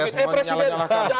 eh presiden jangan ke jakarta